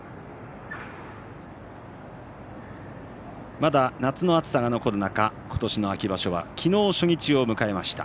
まだ夏の暑さが残る中秋場所は昨日、初日を迎えました。